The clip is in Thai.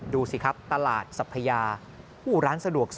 ดูสิครับตลาดซัพพยา